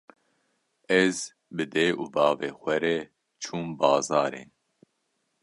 Ez bi dê û bavê xwe re çûm bazarê.